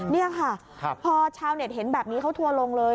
นี่ค่ะพอชาวเน็ตเห็นแบบนี้เขาทัวร์ลงเลย